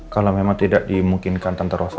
kalau memang tidak dimungkinkan tante rosa